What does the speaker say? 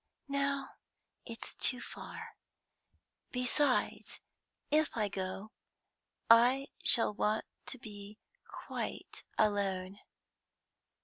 "No, it's too far. Besides, if I go, I shall want to be quite alone."